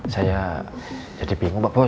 saya jadi bingung pak bahwa